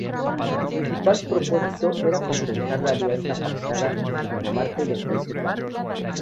Su principal propósito era compensar la alianza pactada entre Dinamarca y los Países Bajos.